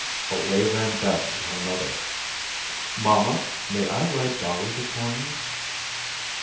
Away ran Beth to her mother. "Mamma, may I ride Dollie this morning?"